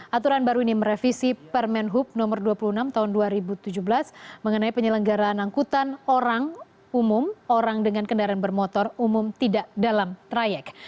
aturan baru ini merevisi permen hub no dua puluh enam tahun dua ribu tujuh belas mengenai penyelenggaraan angkutan orang umum orang dengan kendaraan bermotor umum tidak dalam trayek